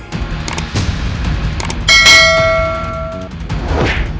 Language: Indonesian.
aku sudah berubah